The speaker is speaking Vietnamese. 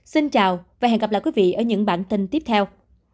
xin chào và hẹn gặp lại quý vị ở những bản tin tiếp theo